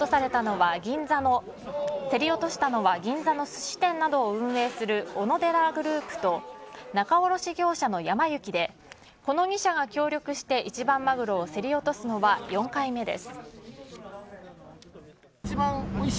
競り落としたのは銀座のすし店などを運営するオノデラグループと仲卸業者のやま幸でこの２社が協力して一番マグロを競り落とすのは４回目です。